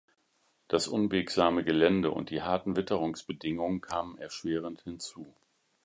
Das unwegsame Gelände und die harten Witterungsbedingungen kamen erschwerend hinzu.